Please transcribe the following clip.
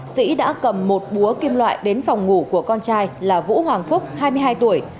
sĩ đã cầm một búa kim loại đến phòng ngủ của con trai là vũ hoàng phúc hai mươi hai tuổi